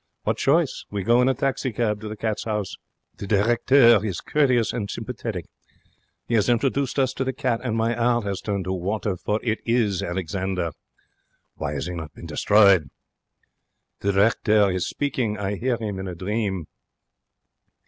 What choice? We go in a taxi cab to the Cats' House. The directeur is courteous and sympathetic. He has introduced us to the cat, and my 'eart 'as turned to water, for it is Alexander. Why has he not been destroyed? The directeur is speaking. I 'ear him in a dream.